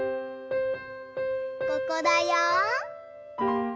ここだよ！